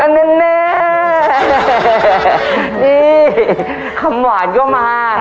แน่นี่คำหวานก็มา